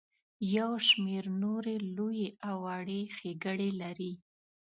یو شمیر نورې لویې او وړې ښیګړې لري.